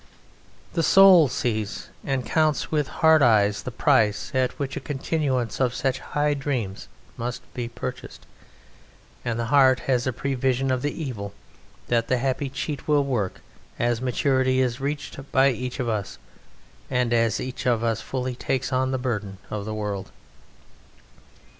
The soul sees and counts with hard eyes the price at which a continuance of such high dreams must be purchased, and the heart has a prevision of the evil that the happy cheat will work as maturity is reached by each of us, and as each of us fully takes on the burden of the world.